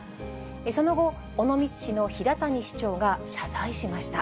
その後、尾道市の平谷市長が謝罪しました。